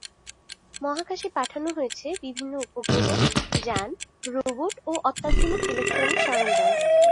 মহাকাশে পাঠানো হয়েছে বিভিন্ন উপগ্রহ, যান, রোবট ও অত্যাধুনিক ইলেক্ট্রনিক সরঞ্জাম।